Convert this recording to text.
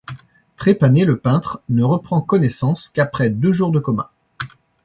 Trépané, le peintre ne reprend connaissance qu'après deux jours de coma.